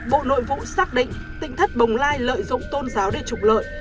bộ nội vụ xác định tinh thất bồng lai lợi dụng tôn giáo để trục lợi